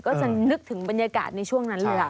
ก็จะนึกถึงบรรยากาศในช่วงนั้นเลยล่ะ